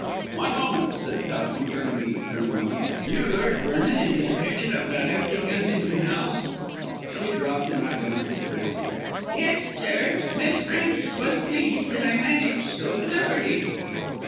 "One moment," said Towton, turning to the prim woman, "you lured Vernon into the kitchen of that empty Kensington house?" She dropped an ironical curtsey. "Yes, sir. Miss Frances was pleased that I managed so cleverly."